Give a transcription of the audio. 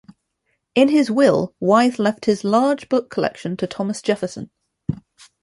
In his will, Wythe left his large book collection to Thomas Jefferson.